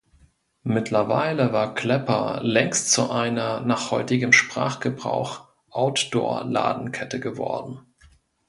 Mittlerweile war Klepper längst zu einer, nach heutigem Sprachgebrauch, Outdoor–Ladenkette geworden.